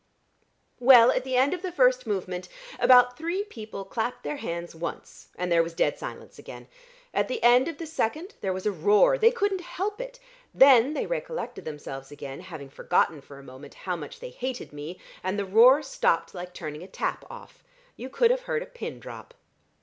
Well, at the end of the first movement, about three people clapped their hands once, and there was dead silence again. At the end of the second there was a roar. They couldn't help it. Then they recollected themselves again, having forgotten for a moment how much they hated me, and the roar stopped like turning a tap off. You could have heard a pin drop."